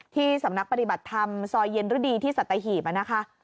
ที่สำนักปฏิบัติธรรมซอยเย็นฤดีที่สัตหีบนะคะ